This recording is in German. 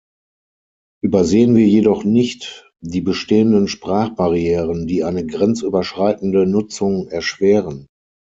Übersehen wir jedoch nicht die bestehenden Sprachbarrieren, die eine grenzüberschreitende Nutzung erschweren.